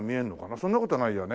そんな事はないよね。